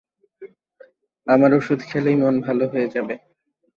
আমার ওষুধ খেলেই মন ভালো হয়ে যাবে।